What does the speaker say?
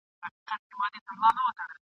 دواړي سترګي یې د اوښکو پیمانې دي !.